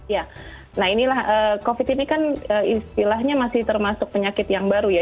ya nah inilah covid ini kan istilahnya masih termasuk penyakit yang baru ya